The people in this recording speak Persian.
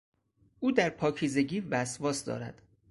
او در پاکیزگی وسواس دارد.